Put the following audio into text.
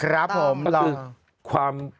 ครับผม